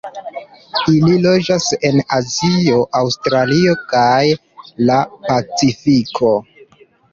Ili loĝas en Azio, Aŭstralio kaj la Pacifiko.